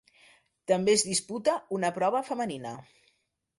També es disputa una prova femenina.